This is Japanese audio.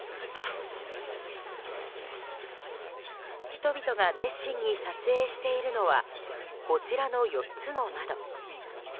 人々が熱心に撮影しているのはこちらの４つの窓。